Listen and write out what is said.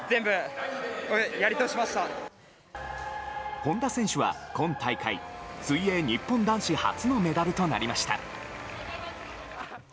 本多選手は今大会水泳日本男子初のメダルとなりました。